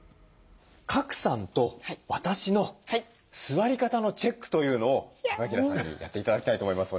賀来さんと私の座り方のチェックというのを高平さんにやって頂きたいと思います。